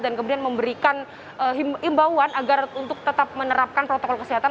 dan kemudian memberikan imbauan agar untuk tetap menerapkan protokol kesehatan